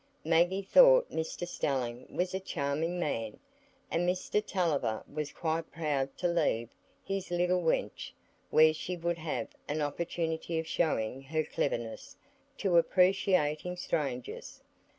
Maggie thought Mr Stelling was a charming man, and Mr Tulliver was quite proud to leave his little wench where she would have an opportunity of showing her cleverness to appreciating strangers.